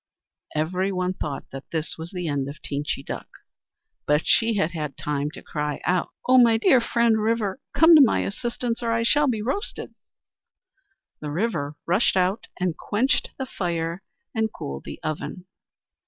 Everyone thought that this was the end of Teenchy Duck, but she had had time to cry out: "Oh! my dear friend River, come to my assistance, or I shall be roasted." The River rushed out and quenched the fire and cooled the oven.